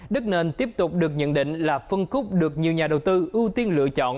đất nền tiếp tục được nhận định là phân khúc được nhiều nhà đầu tư ưu tiên lựa chọn